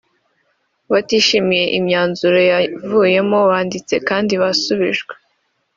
batishimiye imyanzuro yavuyemo banditse kandi basubijwe